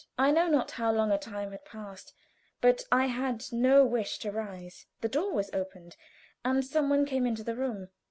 I know not how long a time had passed, but I had no wish to rise. The door was opened, and some one came into the room.